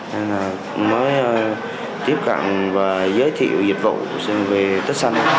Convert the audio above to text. nên là mới tiếp cận và giới thiệu dịch vụ về tết xanh